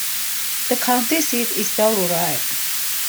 The county seat is Telluride.